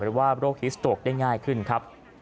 เพราะว่าโรคฮิสโตรคได้ง่ายขึ้นครับ